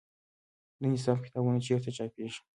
د نصاب کتابونه چیرته چاپیږي؟